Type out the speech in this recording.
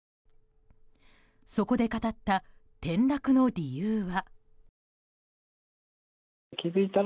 そこで語った転落の理由は。